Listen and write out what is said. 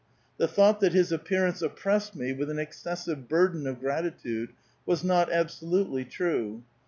The thought that his appearance oppressed me with an excessive burden of grati tude was not absolutely true.